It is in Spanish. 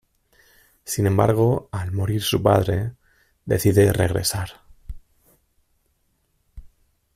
Sin embargo, al morir su padre, decide regresar.